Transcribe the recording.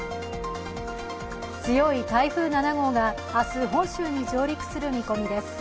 強い台風７号が明日本州に上陸する見込みです。